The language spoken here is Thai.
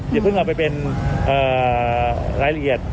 อย่าเพิ่งเอาไปเป็นรายละเอียด